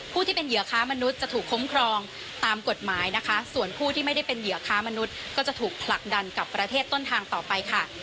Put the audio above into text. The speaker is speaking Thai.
ผู้ที่เป็นเหยื่อค้ามนุษย์จะถูกคุ้มครองตามกฎหมายนะคะส่วนผู้ที่ไม่ได้เป็นเหยื่อค้ามนุษย์ก็จะถูกผลักดันกับประเทศต้นทางต่อไปค่ะ